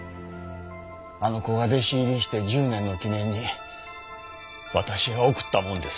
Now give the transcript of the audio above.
あの子が弟子入りして１０年の記念に私が贈ったもんです。